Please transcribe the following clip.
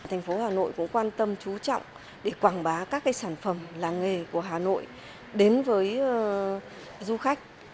thành phố hà nội cũng quan tâm chú trọng để quảng bá các sản phẩm làng nghề của hà nội đến với du khách